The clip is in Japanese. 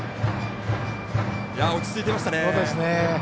落ち着いていましたね。